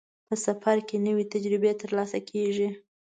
په سفر کې نوې تجربې ترلاسه کېږي.